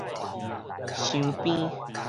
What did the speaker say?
鑲邊